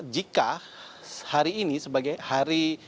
jika hari ini sebagai hari